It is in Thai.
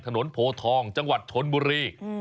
โพทองจังหวัดชนบุรี